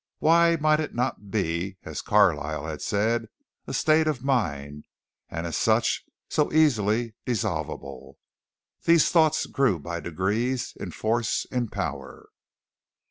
Why might it not be, as Carlyle had said, a state of mind, and as such, so easily dissolvable. These thoughts grew by degrees, in force, in power.